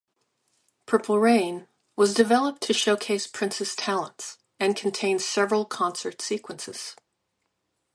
"Purple Rain" was developed to showcase Prince's talents and contains several concert sequences.